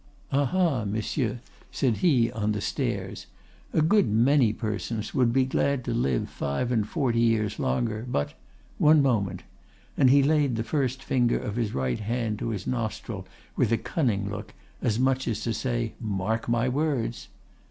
"'Ah, ha, monsieur,' said he on the stairs, 'a good many persons would be glad to live five and forty years longer; but—one moment!' and he laid the first finger of his right hand to his nostril with a cunning look, as much as to say, 'Mark my words!